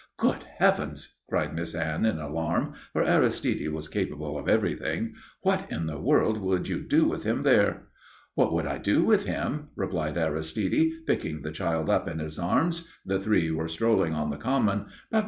"Good Heavens!" cried Miss Anne in alarm, for Aristide was capable of everything. "What in the world would you do with him there?" "What would I do with him?" replied Aristide, picking the child up in his arms the three were strolling on the common "_Parbleu!